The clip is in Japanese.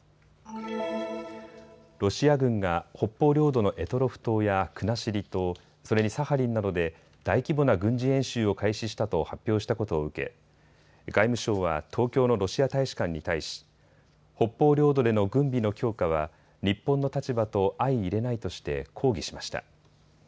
ロシア軍が北方領土の択捉島や国後島、それにサハリンなどで大規模な軍事演習を開始したと発表したことを受け外務省は東京のロシア大使館に対し、北方領土での軍備の強化は日本の立場と相いれないとして抗議しました。